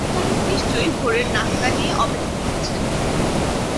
বরকত সাহেব নিশ্চয়ই ভোরের নাশতা নিয়ে অপেক্ষা করছেন।